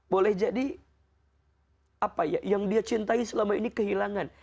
boleh jadi yang dia cintai selama ini kehilangan